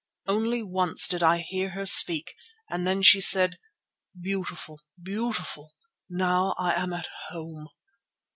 Only once did I hear her speak and then she said, 'Beautiful, beautiful! Now I am at home.